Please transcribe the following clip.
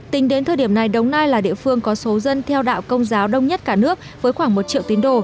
tính đến thời điểm này đồng nai là địa phương có số dân theo đạo công giáo đông nhất cả nước với khoảng một triệu tín đồ